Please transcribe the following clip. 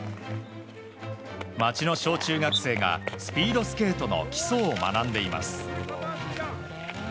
町の小中学生がスピードスケートの基礎を学んでいます。